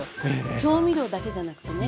調味料だけじゃなくてね